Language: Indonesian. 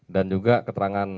dan juga keterangan